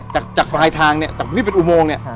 จากลายทางจากที่เป็นอุโมง